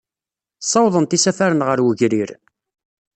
Ssawḍent isafaren ɣer wegrir.